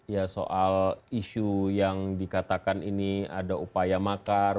ya soal isu yang dikatakan ini ada upaya makar